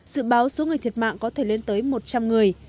dự báo số người thiệt mạng có thể lên tới một trăm linh người